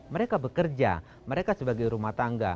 mereka bekerja mereka sebagai rumah tangga